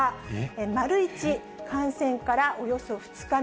丸１、感染からおよそ２日目。